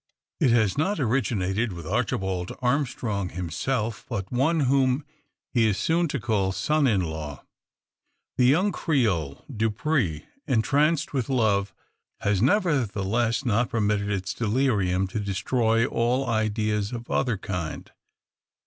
It has not originated with Archibald Armstrong himself, but one, whom he is soon to call son in law. The young Creole, Dupre, entranced with love, has nevertheless not permitted its delirium to destroy all ideas of other kind.